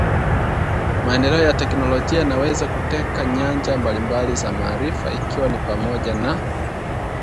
Maendeleo ya teknolojia yanaweza kuteka nyanja mbalimbali za maarifa, ikiwa ni pamoja na